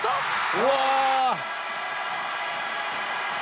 うわ！